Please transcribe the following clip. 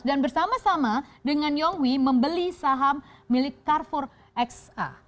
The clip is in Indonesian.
dan bersama sama dengan yonghui membeli saham milik carrefour xa